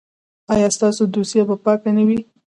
ایا ستاسو دوسیه به پاکه نه وي؟